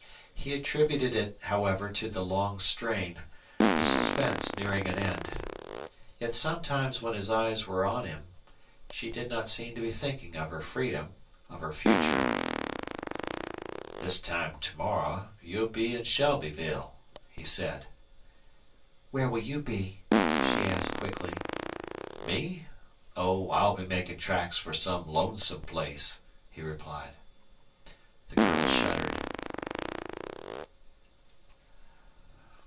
He attributed it, however, to the long strain, the suspense nearing an end. Yet sometimes when her eyes were on him she did not seem to be thinking of her freedom, of her future. "This time to morrow you'll be in Shelbyville," he said. "Where will you be?" she asked, quickly. "Me? Oh, I'll be making tracks for some lonesome place," he replied. The girl shuddered.